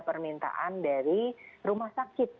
permintaan dari rumah sakit